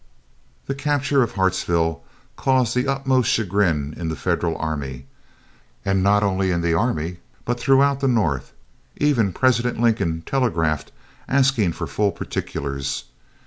The capture of Hartsville caused the utmost chagrin in the Federal army, and not only in the army but throughout the North. Even President Lincoln telegraphed asking for full particulars.